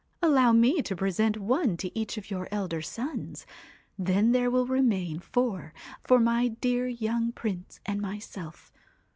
Allow me to present one to each of your elder sons ; then there will remain four for my dear young Prince and myself.